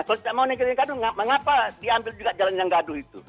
kalau tidak mau naik ke gaduh mengapa diambil juga jalan yang gaduh itu